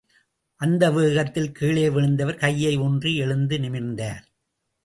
அந்த வேகத்தில் கீழே விழுந்தவர் கையை ஊன்றி எழுந்து நிமிர்ந்தார்.